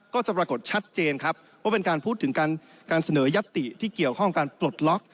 ก็จะปรากฏชัดเจนครับว่าเป็นการพูดถึงการเสนอยัตติที่เกี่ยวข้องการปลดล็อก